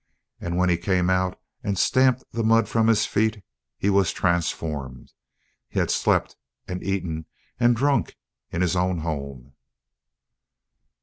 And when he came out and stamped the mud from his feet he was transformed. He had slept and eaten and drunk in his own home.